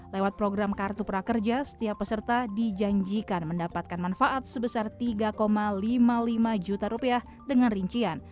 lewat program kartu prakerja setiap peserta dijanjikan mendapatkan manfaat sebesar tiga lima puluh lima juta rupiah dengan rincian